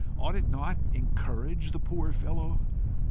Ought it not to encourage the poor fellow?